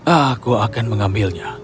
aku akan mengambilnya